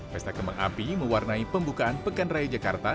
pesta kembang api mewarnai pembukaan pekan raya jakarta